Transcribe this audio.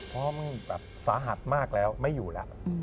เพราะมึงแบบสาหัสมากแล้วไม่อยู่แล้ว